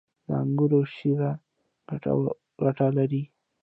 • د انګورو شیره ګټه لري.